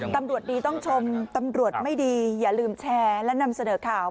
ตำรวจดีต้องชมตำรวจไม่ดีอย่าลืมแชร์และนำเสนอข่าว